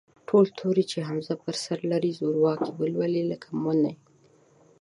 ټول توري چې همزه پر سر لري، زورکی ولولئ، لکه: مٔنی.